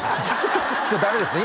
ちょっとダメですね